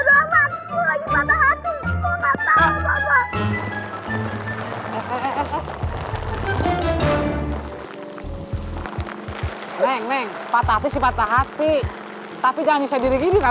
lo janji nggak mau tembakan gue